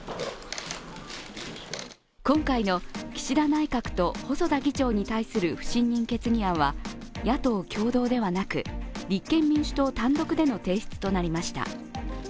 今回の岸田内閣と細田議長に対する不信任決議案は野党共同ではなく、立憲民主党単独での提出となりました。